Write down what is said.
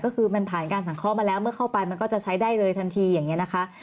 ก็คือมันผ่านการสังเคราะห์มาแล้วเมื่อเข้าไปมันก็จะใช้ได้เลยทันทีอย่างนี้นะคะ